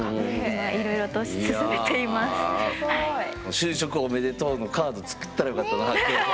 「就職おめでとう」のカード作ったらよかったな今日。